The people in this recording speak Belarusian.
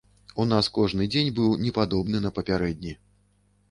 У нас кожны дзень быў не падобны на папярэдні.